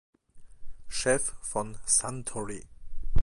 Chef von Suntory.